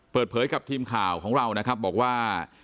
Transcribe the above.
เปิดเผยกับทีมข่าวของเรานะครับบอกว่า